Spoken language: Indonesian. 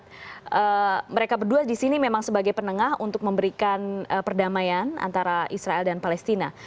dan amerika serikat mereka berdua di sini memang sebagai penengah untuk memberikan perdamaian antara israel dan palestina